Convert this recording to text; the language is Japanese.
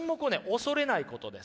恐れないことです。